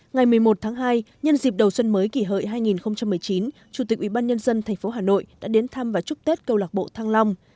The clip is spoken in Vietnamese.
ngày một mươi một tháng hai nhân dịp đầu xuân mới kỷ hợi hai nghìn một mươi chín chủ tịch ubnd tp hà nội đã đến thăm và chúc tết câu lạc bộ thăng long